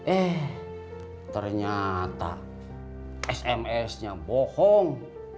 eh ternyata sms nya bohong